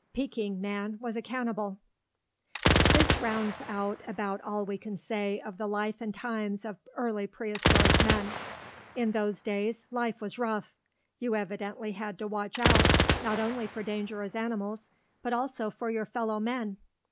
Peking man was a cannibal. This rounds out about all we can say of the life and times of early prehistoric men. In those days life was rough. You evidently had to watch out not only for dangerous animals but also for your fellow men.